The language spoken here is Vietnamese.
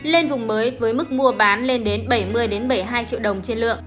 lên vùng mới với mức mua bán lên đến bảy mươi bảy mươi hai triệu đồng trên lượng